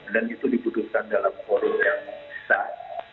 dan itu diputuskan dalam forum yang besar